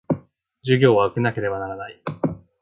授業は受けなければならない